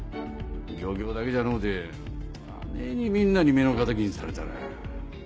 漁協だけじゃのうてあねぇにみんなに目の敵にされたら。